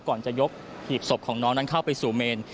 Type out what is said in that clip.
ก่อนจะยกหีบศพของน้องนั้นเข้าไปสู่เมน